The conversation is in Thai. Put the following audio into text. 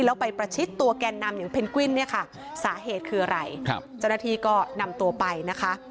แล้วไปประชิดตัวแกนนำอย่างเพนกวินเนี่ยค่ะสาเหตุคืออะไรครับเจ้าหน้าที่ก็นำตัวไปนะคะ